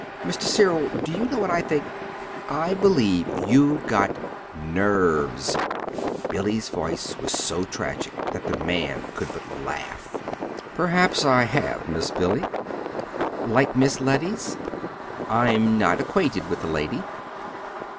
Mr. Cyril do you know what I think? I believe you've got NERVES!" Billy's voice was so tragic that the man could but laugh. "Perhaps I have, Miss Billy." "Like Miss Letty's?" "I'm not acquainted with the lady."